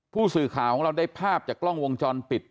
ผู้สื่อข่าวของเราได้ภาพจากกล้องวงจรปิด